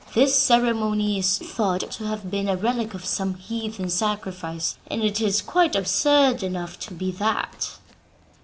This ceremony is thought to have been a relic of some heathen sacrifice, and it is quite absurd enough to be that."